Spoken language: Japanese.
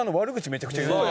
めちゃくちゃ言う。